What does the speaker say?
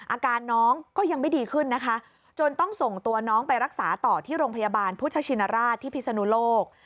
อาการน้องก็ยังไม่ดีขึ้นนะคะจนต้องส่งตัวน้องไปรักษาต่อที่โรงพยาบาลพุทธชินราชที่พิศนุโลก